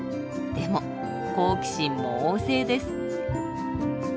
でも好奇心も旺盛です。